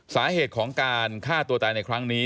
สาเหตุของการฆ่าตัวตายในครั้งนี้